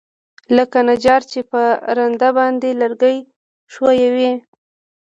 لکه نجار چې په رنده باندى لرګى ښويوي.